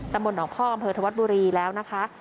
ตำบลหนองข้ออำเภทวัดบุรีแล้วนะคะ